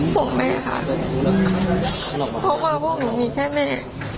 ของแม่ค่ะเพราะว่าพวกหนูมีแค่แม่